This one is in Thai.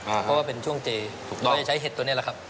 อ่าเพราะว่าเป็นช่วงเจถูกต้องเราจะใช้เห็ดตัวเนี้ยแหละครับ